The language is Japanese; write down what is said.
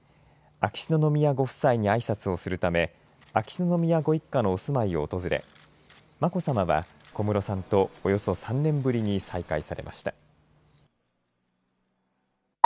秋篠宮ご夫妻にあいさつをするため秋篠宮ご一家のお住まいを訪れ眞子さまは小室さんとおよそ３年ぶりに再会されました。